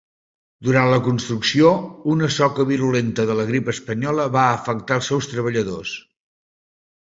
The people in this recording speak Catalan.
Durant la construcció, una soca virulenta de la grip espanyola va afectar els seus treballadors.